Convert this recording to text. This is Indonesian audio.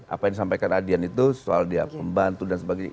apa yang disampaikan adian itu soal dia pembantu dan sebagainya